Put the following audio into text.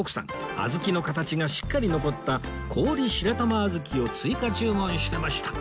小豆の形がしっかり残った氷白玉あずきを追加注文してました